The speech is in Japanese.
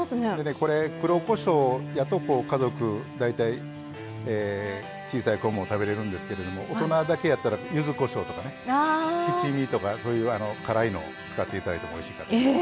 これ、黒こしょうやと家族小さい子も食べれるんですけど大人だけやったらゆずこしょうとかね、七味とかそういう辛いのを使っていただいてもおいしいかと思います。